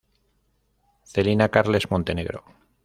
Celina Carles Montenegro.